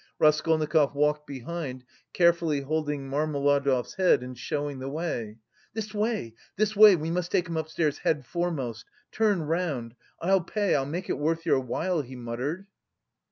Raskolnikov walked behind, carefully holding Marmeladov's head and showing the way. "This way, this way! We must take him upstairs head foremost. Turn round! I'll pay, I'll make it worth your while," he muttered.